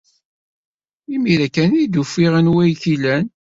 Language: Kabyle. Imir-a kan ay d-ufiɣ anwa ay k-ilan.